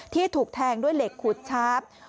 ที่ถูกแทงด้วยเหล็กขุดชาป